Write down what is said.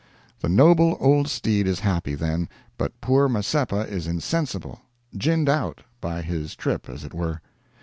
The noble old steed is happy, then, but poor Mazeppa is insensible—"ginned out" by his trip, as it were.